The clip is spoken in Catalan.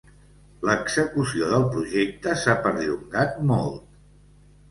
L'execució del projecte s'ha perllongat molt.